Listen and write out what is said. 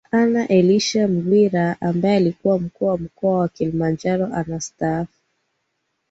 Anna Elisha Mghwira ambaye alikuwa mkuu wa mkoa wa Kilimanjaro anastaafu